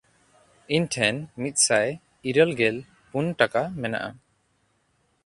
ᱤᱧ ᱴᱷᱮᱱ ᱢᱤᱫᱥᱟᱭ ᱤᱨᱟᱹᱞᱜᱮᱞ ᱯᱩᱱ ᱴᱟᱠᱟ ᱢᱮᱱᱟᱜᱼᱟ᱾